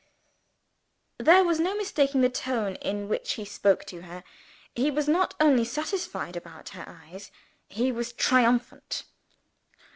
There was no mistaking the tone in which he spoke to her. He was not only satisfied about her eyes he was triumphant.